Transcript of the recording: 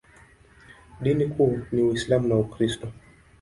Dini kuu ni Uislamu na Ukristo.